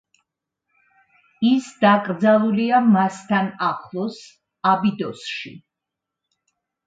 ის დაკრძალულია მასთან ახლოს აბიდოსში.